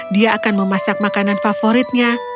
dia akan memasak makanan favoritnya